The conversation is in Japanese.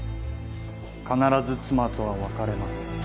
「必ず妻とは別れます。